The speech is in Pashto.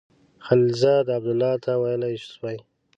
خلیلزاد عبدالله ته ویلای سوای.